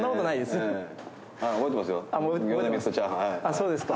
そうですか。